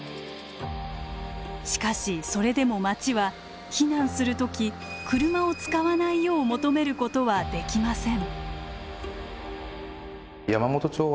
しかしそれでも町は避難する時車を使わないよう求めることはできません。